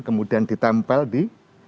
kemudian ditempel di